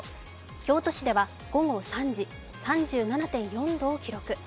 京都市では午後３時、３７．４度を記録。